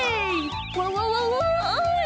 わわわわい。